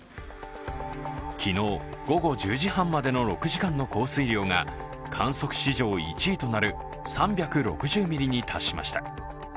昨日、午後１０時半までの６時間の降水量が観測史上１位となる３６０ミリに達しました。